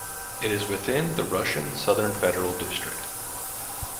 It is within the Russian Southern Federal District.